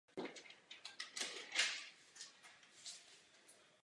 House se ji však snaží přesvědčit.